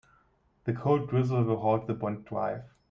The cold drizzle will halt the bond drive.